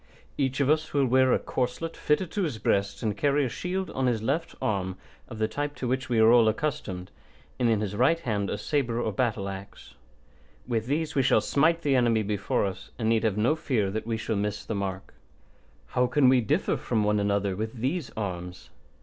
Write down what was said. Each of us will wear a corslet fitted to his breast and carry a shield on his left arm of the type to which we are all accustomed, and in his right hand a sabre or a battle axe. With these we shall smite the enemy before us, and need have no fear that we shall miss the mark. How can we differ from one another with these arms?